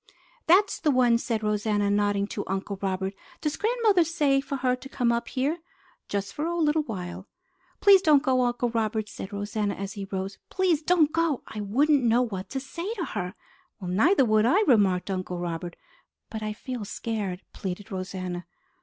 "That's the one!" said Rosanna, nodding to Uncle Robert. "Does grandmother say for her to come up here?" "Just for a little while." "Please don't go, Uncle Robert," said Rosanna as he rose. "Please don't go! I wouldn't know what to say to her." "Neither would I," remarked Uncle Robert. "But I feel scared!" pleaded Rosanna.